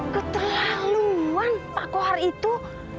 keterlaluan pak kohar itu